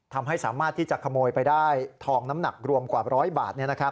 ทำให้สามารถที่จะขโมยไปได้ทองน้ำหนักรวมกว่า๑๐๐บาท